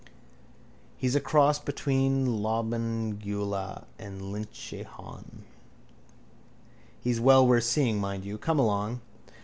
He's a cross between Lobengula and Lynchehaun. He's well worth seeing, mind you. Come along.